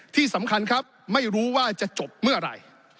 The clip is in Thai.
ที่สำคัญครับไม่รู้ว่าจะจบเมื่อไหร่